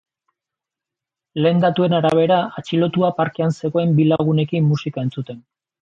Lehen datuen arabera, atxilotua parkean zegoen bi lagunekin musika entzuten.